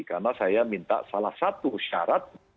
karena saya minta salah satu syarat